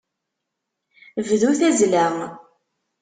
Bdu tazzla.